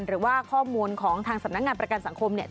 หรือว่าข้อมูลของทางสำนักงานประกันสังคมเนี่ย